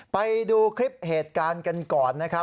ไปดูคลิปเหตุการณ์กันก่อนนะครับ